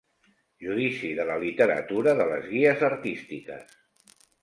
Judici de la literatura de les guies artístiques.